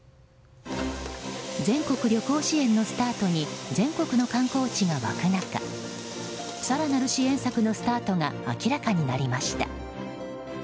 全国旅行支援のスタートに全国の観光血が沸く中更なる支援策のスタートが明らかになりました。